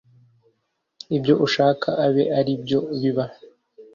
ibyo ushaka abe ari byo biba